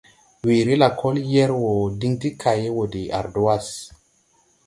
Weere lɛkɔl yɛr wɔ diŋ ti kaye wɔ de ardwas.